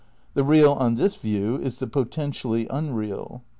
The real on this view is the potentially unreal.